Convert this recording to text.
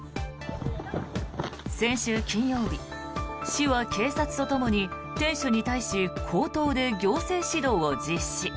先週金曜日市は警察ととともに店主に対し口頭で行政指導を実施。